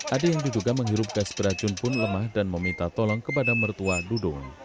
ade yang diduga menghirup gas beracun pun lemah dan meminta tolong kepada mertua dudung